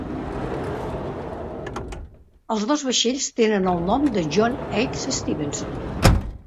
Els dos vaixells tenen el nom de John H. Stevenson.